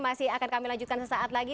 masih akan kami lanjutkan sesaat lagi